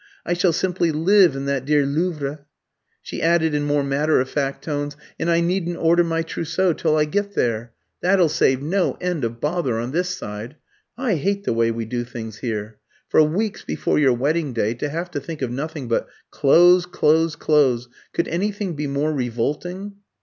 I shall simply live in that dear Louvre!" She added in more matter of fact tones, "And I needn't order my trousseau till I get there. That'll save no end of bother on this side. I hate the way we do things here. For weeks before your wedding day to have to think of nothing but clothes, clothes, clothes could anything be more revolting?"